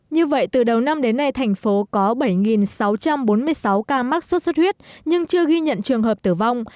như vậy từ đầu năm đến nay thành phố có bảy sáu trăm bốn mươi sáu ca mắc sốt xuất huyết nhưng chưa ghi nhận trường hợp tử vong